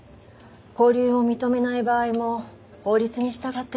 勾留を認めない場合も法律に従っての判断。